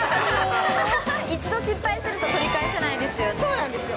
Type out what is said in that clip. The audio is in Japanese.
一度失敗すると、取り返せなそうなんですよ。